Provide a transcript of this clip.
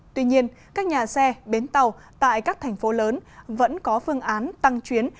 tuy nhiên các nhà xe bến tàu tại các thành phố lớn vẫn có phương án tăng chuyến